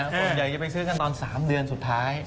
ส่วนใหญ่จะไปซื้อกันตอน๓เดือนสุดท้าย